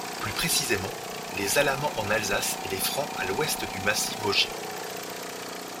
Plus précisément, les Alamans en Alsace et les Francs à l'ouest du massif vosgien.